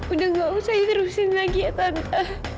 udah gak usah ini terusin lagi ya tante